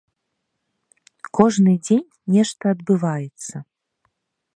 Кожны дзень нешта адбываецца.